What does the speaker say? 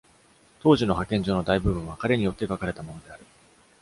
当時の派遣状の大部分は彼によって書かれたものである。